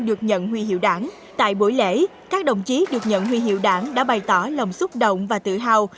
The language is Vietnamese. được nhận huy hiệu đảng tại buổi lễ các đồng chí được nhận huy hiệu đảng đã bày tỏ lòng xúc động và tự hào